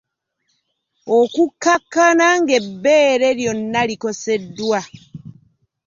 Okukkakkana ng’ebbeere lyonna likoseddwa.